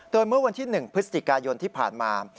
โดยเมื่อวันที่๑พฤศจิกายนที่ผ่านมา